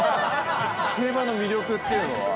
競馬の魅力っていうのは？